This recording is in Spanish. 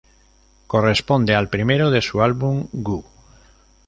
Corresponde al primero de su álbum "Goo".